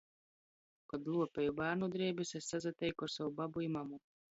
Kod luopeju bārnu drēbis, es sasateiku ar sovu babu i mamu.